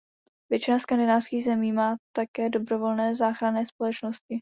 Většina Skandinávských zemí má také dobrovolné záchranné společnosti.